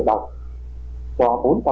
thì trong thời gian tới